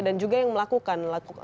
dan juga yang melakukan